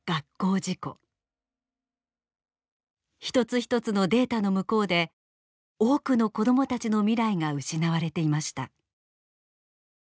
一つ一つのデータの向こうで多くの子どもたちの未来が失われていました。